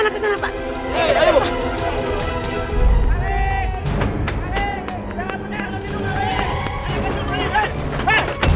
ke sana pak